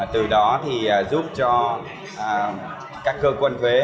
từ đó thì giúp cho các cơ quan thuế